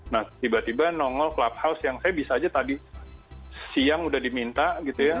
nah tiba tiba nongol clubhouse yang saya bisa aja tadi siang udah diminta gitu ya